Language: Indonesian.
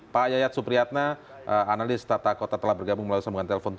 pak yayat supriyatna analis tata kota telah bergabung melalui sambungan telepon